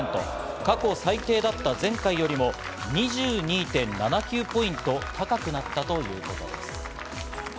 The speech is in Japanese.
過去最低だった前回よりも２２．７９ポイント高くなったということです。